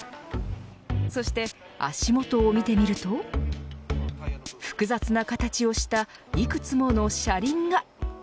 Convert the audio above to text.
そして、足元を見てみると複雑な形をしたいくつもの車輪が。